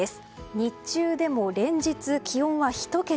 日中でも連日、気温は１桁。